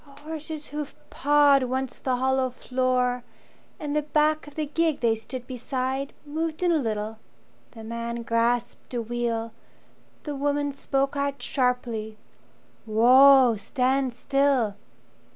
A horse's hoof pawed once the hollow floor, And the back of the gig they stood beside Moved in a little. The man grasped a wheel, The woman spoke out sharply, "Whoa, stand still!"